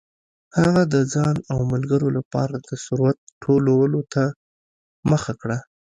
هغه د ځان او ملګرو لپاره د ثروت ټولولو ته مخه کړه.